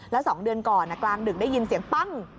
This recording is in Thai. แล้ว๒เดือนก่อนกลางดึกได้ยินเสียงปั้ง